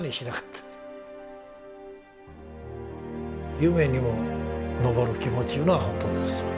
夢にも昇る気持ちいうのは本当ですわ。